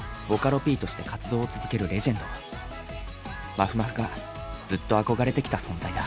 まふまふがずっと憧れてきた存在だ。